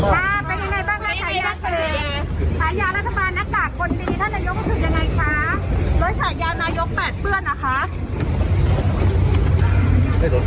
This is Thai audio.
เป็นไงบ้างค่ะฉายาเสือ